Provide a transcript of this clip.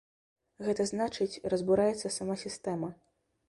Гэта значыць, разбураецца сама сістэма.